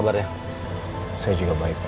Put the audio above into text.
saya juga dengan baik pak